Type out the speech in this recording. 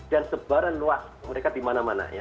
dan sebarang luas mereka di mana mana ya